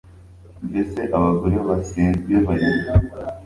mbese abagore basenzwe barihe